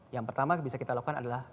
yang pertama bisa kita lakukan adalah